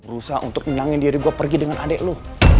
berusaha untuk menyangin diri gue pergi dengan adek lo